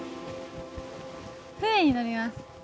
船に乗ります。